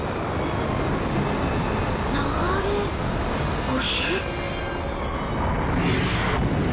流れ星？